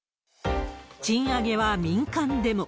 賃上げは民間でも。